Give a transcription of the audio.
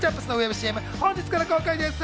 ＣＭは本日から公開です。